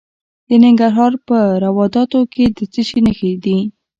د ننګرهار په روداتو کې د څه شي نښې دي؟